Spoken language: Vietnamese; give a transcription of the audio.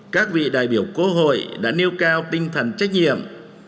các vị đại biểu quốc hội đã nêu cao tinh thần trách nhiệm